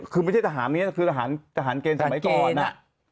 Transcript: คือไม่ใช่ทหารนี้คือทหารเกณฑ์สมัยก่อนน่ะ